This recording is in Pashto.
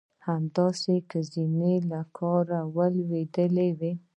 همداسې که زینه له کاره لوېدلې وای.